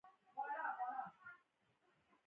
پترارک د خپلو کتابونو په ستاینه کې خبرې لري.